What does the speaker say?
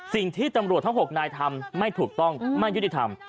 สิ่งที่ตำรวจทั้ง๖นายทำไม่ถูกต้องไม่ยุติธรรม